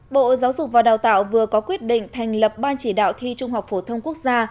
bộ giáo dục và đào tạo vừa có quyết định thành lập ban chỉ đạo thi trung học phổ thông quốc gia